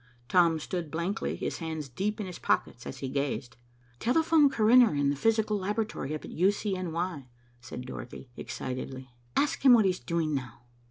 Tom stood blankly, his hands deep in his pockets, as he gazed. "Telephone Carrener in the Physical Laboratory up at U. C. N. Y." said Dorothy excitedly. "Ask him what he's doing now."